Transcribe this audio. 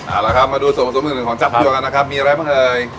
อ่าแล้วครับมาดูส่วนผงส่วนผงอื่นของจับยวนกันนะครับมีอะไรบ้างเฮ้ย